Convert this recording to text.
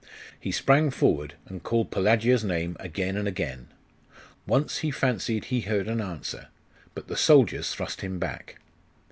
He sprang forward, and called Pelagia's name again and again. Once he fancied he heard an answer: but the soldiers thrust him back.